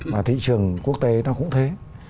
mà thị trường quốc tế nó cũng thế